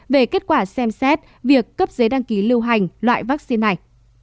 về kết quả xem xét việc cấp giấy đăng ký lưu hành loại vaccine này